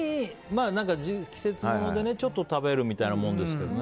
季節ものでね、ちょっと食べるみたいなものですけどね。